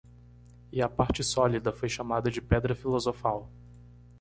E a parte sólida foi chamada de Pedra Filosofal.